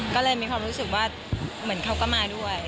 ก็เลยมีความรู้สึกว่าเหมือนเขาก็มาด้วย